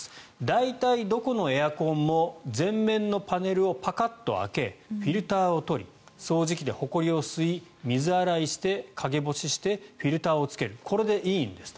大体、どこのエアコンも前面のパネルをパカッと開けフィルターを取り掃除機でほこりを吸い水洗いして、陰干ししてフィルターをつけるこれでいいんです。